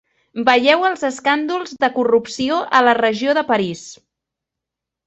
Veieu els escàndols de corrupció a la regió de París.